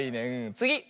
つぎ！